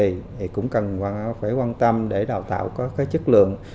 thì cũng cần phải quan tâm để đào tạo có cái chất lượng